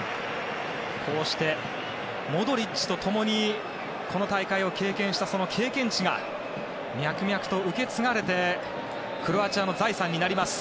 こうして、モドリッチと共にこの大会を経験したその経験値が脈々と受け継がれてクロアチアの財産になります。